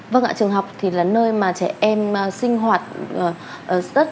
vâng ạ trường học thì là nơi mà trẻ em sinh hoạt rất